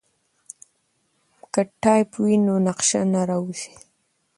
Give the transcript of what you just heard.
که ټیپ وي نو نقشه نه راویځیږي.